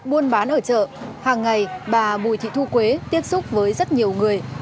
buôn bán ở chợ hàng ngày bà bùi thị thu quế tiếp xúc với rất nhiều người